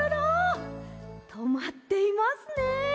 とまっていますね。